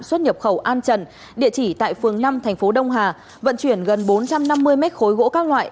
xuất nhập khẩu an trần địa chỉ tại phường năm thành phố đông hà vận chuyển gần bốn trăm năm mươi mét khối gỗ các loại